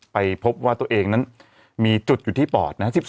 ไปพบว่าตัวเองนั้นมีจุดอยู่ที่ปอดนะฮะ